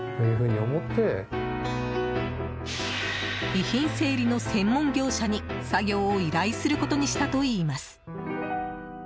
遺品整理の専門業者に、作業を依頼することにしたといいます。